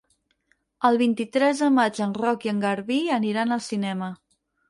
El vint-i-tres de maig en Roc i en Garbí aniran al cinema.